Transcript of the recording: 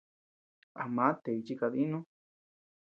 A maa tey chi kadinuu.